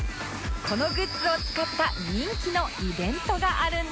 このグッズを使った人気のイベントがあるんです